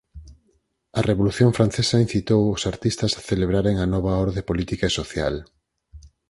A Revolución Francesa incitou os artistas a celebraren a nova orde política e social.